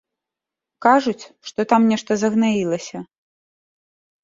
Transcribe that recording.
Кажуць, што там нешта загнаілася.